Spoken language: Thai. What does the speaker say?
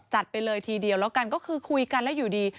ไปเลยทีเดียวแล้วกันก็คือคุยกันแล้วอยู่ดี